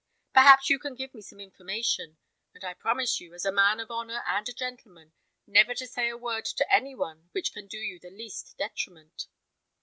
Perhaps you can give me some information; and I promise you, as a man of honour and a gentleman, never to say a word to any one which can do you the least detriment.